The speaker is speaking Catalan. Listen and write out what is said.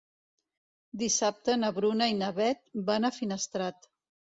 Dissabte na Bruna i na Beth van a Finestrat.